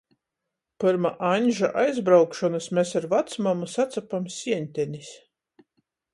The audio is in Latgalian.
Pyrma Aņža aizbraukšonys mes ar vacmamu sacapam sieņtenis.